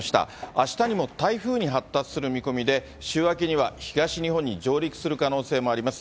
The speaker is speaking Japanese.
あしたにも台風に発達する見込みで、週明けには東日本に上陸する可能性もあります。